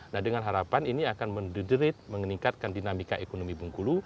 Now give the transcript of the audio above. nah dengan harapan ini akan menderate meningkatkan dinamika ekonomi bengkulu